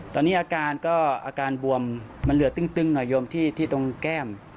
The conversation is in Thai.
ตอนนี้อาการก็อาการบวมมันเหลือตึ้งหน่อยโยมที่ตรงแก้ม